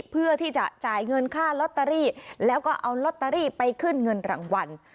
เพื่อที่จะจ่ายเงินค่าลอตเตอรี่แล้วก็เอาลอตเตอรี่ไปขึ้นเงินรางวัล